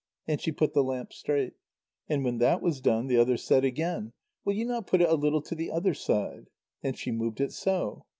And she put the lamp straight. And when that was done, the other said again: "Will you not put it a little to the other side?" And she moved it so.